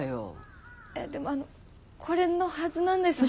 いやでもあのこれのはずなんですけど。